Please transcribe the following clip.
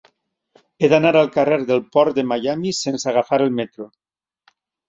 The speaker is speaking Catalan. He d'anar al carrer del Port de Miami sense agafar el metro.